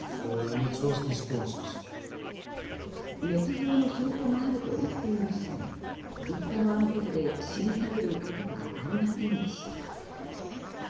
ねつ造の証拠があると言っていましたが５日の安保理で示されることはありませんでした。